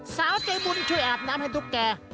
สาวใจบุญช่วยอาบน้ำให้ตุ๊กแก่